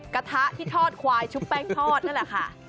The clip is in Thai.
กระทะที่ทอดควายชุบแป้งทอดนั่นแหละค่ะ